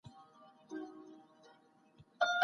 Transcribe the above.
خو یوه ورځ په لویه ونه بدلېږي.